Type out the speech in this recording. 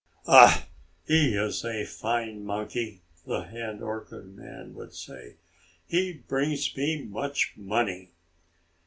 "Ah, he is a fine monkey!" the hand organ man would say. "He brings me much money."